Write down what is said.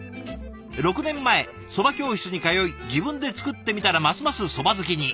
６年前そば教室に通い自分で作ってみたらますますそば好きに。